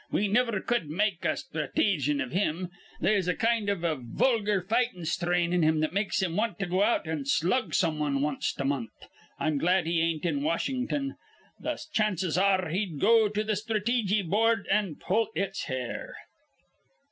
We niver cud make a sthrateejan iv him. They'se a kind iv a vulgar fightin' sthrain in him that makes him want to go out an' slug some wan wanst a month. I'm glad he ain't in Washin'ton. Th' chances ar re he'd go to th' Sthrateejy Board and pull its hair."